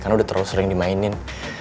karena udah terlalu sering dimainin